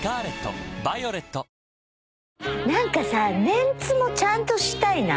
燭メンツもちゃんとしたいな。